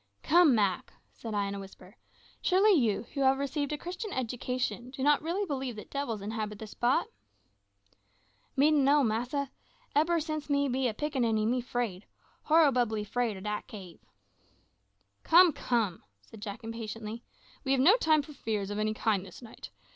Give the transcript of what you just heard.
"Come, Mak," said I in a whisper, "surely you, who have received a Christian education, do not really believe that devils inhabit this spot?" "Me don know, massa. Eber since me was be a pikaniny me 'fraid horrobably 'fraid ob dat cave." "Come, come," said Jack impatiently; "we have no time for fears of any kind this night.